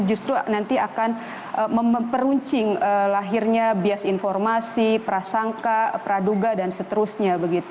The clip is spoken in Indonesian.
justru nanti akan memperuncing lahirnya bias informasi prasangka praduga dan seterusnya